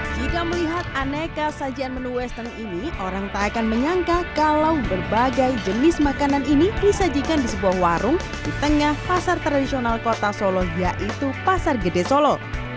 jika melihat aneka sajian menu western ini orang tak akan menyangka kalau berbagai jenis makanan ini disajikan di sebuah warung di tengah pasar tradisional kota solo yaitu pasar gede solo